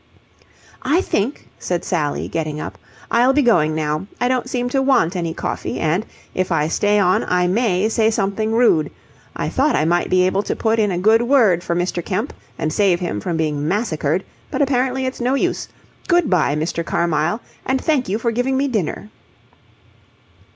"I think," said Sally, getting up, "I'll be going now. I don't seem to want any coffee, and, if I stay on, I may say something rude. I thought I might be able to put in a good word for Mr. Kemp and save him from being massacred, but apparently it's no use. Good bye, Mr. Carmyle, and thank you for giving me dinner."